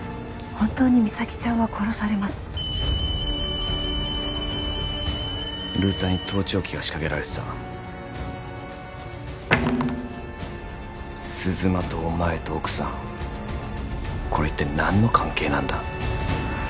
本当に実咲ちゃんは殺されますルーターに盗聴器が仕掛けられてた鈴間とお前と奥さんこれ一体何の関係なんだ？